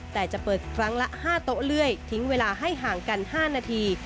แต่จะเปิดครั้งละ๕โต๊ะเรื่อยทิ้งเวลาให้ห่างกัน๕นาที